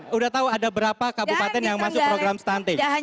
sudah tahu ada berapa kabupaten yang masuk program stunting